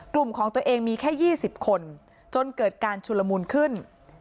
กลุ่มของตัวเองมีแค่๒๐คนจนเกิดการชุลมุนขึ้น